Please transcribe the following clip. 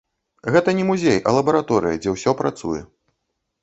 Гэта не музей, а лабараторыя, дзе ўсё працуе.